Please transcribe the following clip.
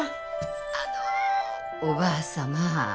☎あのおばあ様